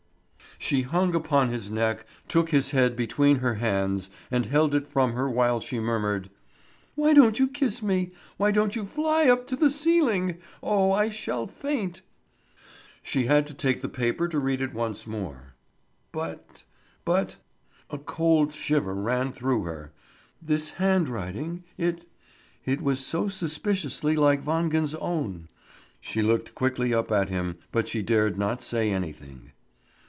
She hung upon his neck, took his head between her hands and held it from her while she murmured: "Why don't you kiss me? Why don't you fly up to the ceiling? Oh, I shall faint!" She had to take the paper to read it once more. But but a cold shiver suddenly ran through her. This handwriting it it was so suspiciously like Wangen's own. She looked quickly up at him, but she dared not say anything.